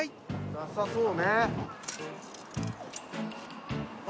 なさそうね。